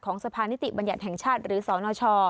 ของสภานิติบรรยันทร์แห่งชาติหรือสลช